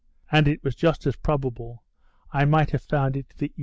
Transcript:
And it was just as probable I might have found it to the E.